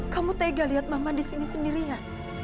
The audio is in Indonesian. kamu tega lihat mama di sini sendiri ya